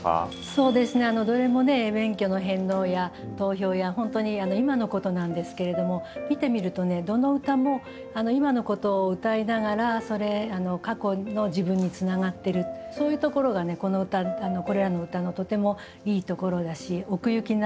そうですねどれも免許の返納や投票や本当に今のことなんですけれども見てみるとどの歌も今のことを歌いながらそれ過去の自分につながっているそういうところがこれらの歌のとてもいいところだし奥行きになってると思いますね。